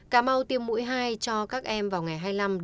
cà mau tiêm mũi hai cho các em vào ngày hai mươi năm hai mươi bảy một mươi một